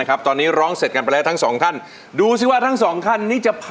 คุณก๊อฟและคุณซิมร้องได้หรือว่าร้องผิดครับ